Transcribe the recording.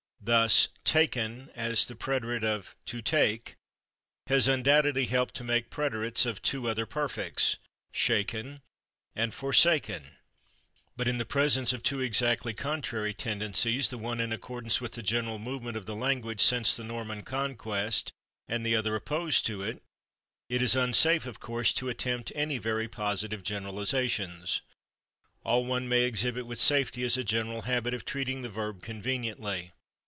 Thus /taken/, as the preterite of /to take/, has undoubtedly helped to make preterites of two other perfects, /shaken/ and /forsaken/. But in the presence of two exactly contrary tendencies, the one in accordance with the general movement of the language [Pg200] since the Norman Conquest and the other opposed to it, it is unsafe, of course, to attempt any very positive generalizations. All one may exhibit with safety is a general habit of treating the verb conveniently.